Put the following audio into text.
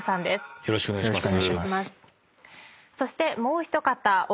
よろしくお願いします。